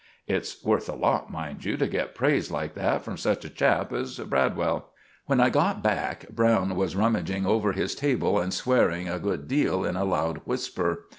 It's worth a lot, mind you, to get praise like that from such a chap as Bradwell. When I got back, Browne was rumaging over his table and sweering a good deal in a loud wisper.